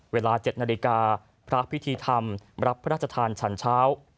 เวลา๗นาฬิกาพระพิธีธรรมรับพระราชทานฉันเช้า